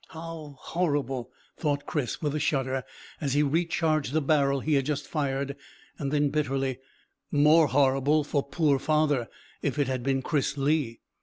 "How horrible!" thought Chris with a shudder, as he re charged the barrel he had just fired. Then bitterly, "More horrible for poor father if it had been Chris Lee."